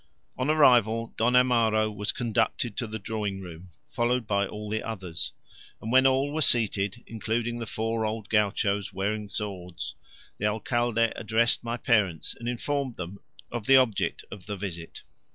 On arrival Don Amaro was conducted to the drawing room, followed by all the others; and when all were seated, including the four old gauchos wearing swords, the Alcalde addressed my parents and informed them of the object of the visit.